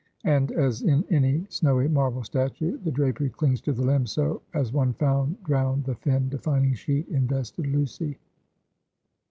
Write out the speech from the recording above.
And as in any snowy marble statue, the drapery clings to the limbs; so as one found drowned, the thin, defining sheet invested Lucy.